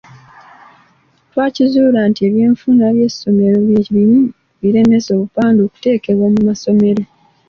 Twakizuula nti ebyenfuna by’essomero bye bimu ku biremesa obupande okutekebwa mu masomero.